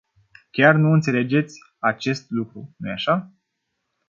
Chiar nu înțelegeți acest lucru, nu-i așa?